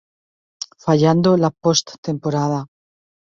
Fallando la post-temporada.